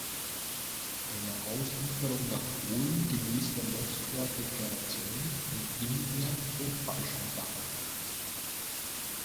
Einer Auslieferung nach Polen gemäß der Moskauer Deklaration entging er durch Falschangaben.